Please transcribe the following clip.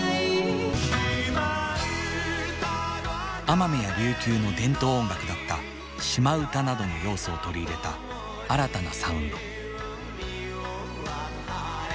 奄美や琉球の伝統音楽だった島唄などの要素を取り入れた新たなサウンド。